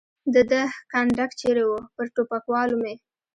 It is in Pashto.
د ده کنډک چېرې و؟ پر ټوپکوالو مې.